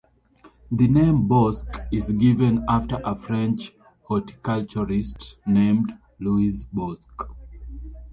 The name Bosc is given after a French horticulturist named Louis Bosc.